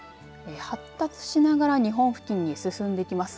発達しながら日本付近に進んでいきます。